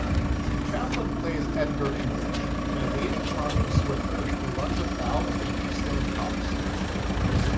Chaplin plays Edgar English, a lady-charming swindler who runs afoul of the Keystone Kops.